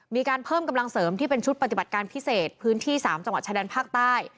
มีการเพิ่มกำลังเสริมที่เป็นชุดปฏิบัติการพิเศษพื้นที่๓จังหวัดชายแดนภาคใต้